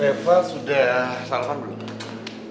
reva sudah sarapan belum